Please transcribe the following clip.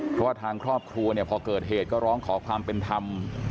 เพราะว่าทางครอบครัวเนี่ยพอเกิดเหตุก็ร้องขอความเป็นธรรม